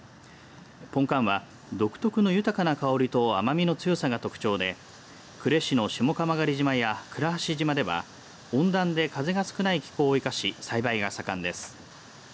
ぽんかんは、独特の豊かな香りと甘みの強さが特徴で呉市の下蒲刈島や倉橋島では、温暖で風が少ない気候を生かし栽培が盛んです。